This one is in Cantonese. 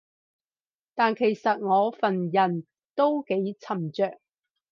但其實我份人都幾沉着